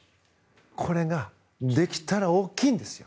これができたら大きいんですよ。